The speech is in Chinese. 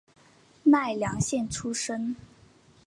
奈良县出身。